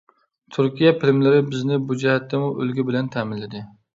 تۈركىيە فىلىملىرى بىزنى بۇ جەھەتتىمۇ ئۈلگە بىلەن تەمىنلىدى.